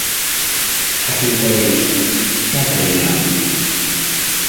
Kati nkole ntya, taata ne maama?